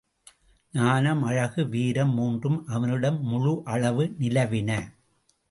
ஞானம், அழகு, வீரம் மூன்றும் அவனிடம் முழு அளவு நிலவின.